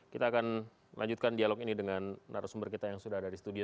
kita akan lanjutkan dialog ini dengan narasumber kita yang sudah ada di studio